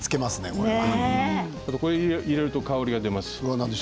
黒粒こしょうを入れると香りが出ます。